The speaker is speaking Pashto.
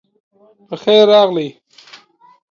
پخیر راغلی